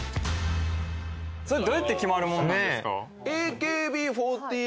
それどうやって決まるもんなんですか？